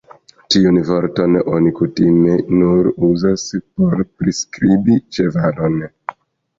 Tiun vorton oni kutime nur uzas por priskribi ĉevalon.